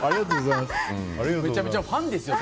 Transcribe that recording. めちゃめちゃファンですよ。